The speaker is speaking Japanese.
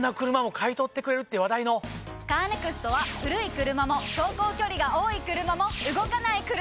カーネクストは古い車も走行距離が多い車も動かない車でも。